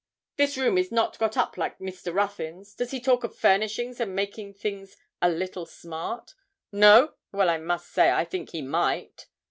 'This room is not got up like Mr. Ruthyn's: does he talk of furnishings and making things a little smart? No! Well, I must say, I think he might.'